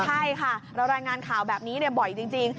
ใช่ค่ะเรารายงานข่าวแบบนี้บ่อยจริง